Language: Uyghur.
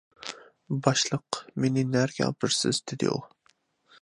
باشلىق، مېنى نەگە ئاپىرىسىز؟ -دېدى ئۇ.